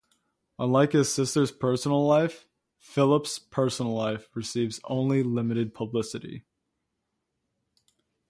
Unlike his sister's personal life, Phillips' personal life receives only limited publicity.